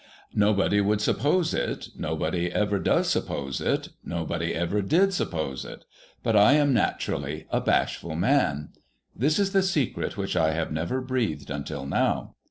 Nobody would suppose it, nobody ever does suppose it, nobody ever did su]:)pose it, but I am naturally a bashful man. This is the secret which I have never breathed until now.